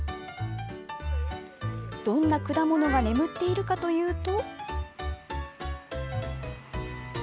どんな果物が眠っているかというと。